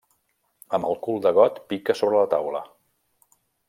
Amb el cul del got pica sobre la taula.